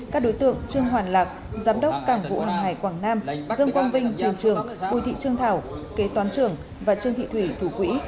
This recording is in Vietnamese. các đối tượng trương hoàn lạc giám đốc cảng vụ hàng hải quảng nam dương quang vinh thuyền trưởng bùi thị trương thảo kế toán trưởng và trương thị thủy thủ quỹ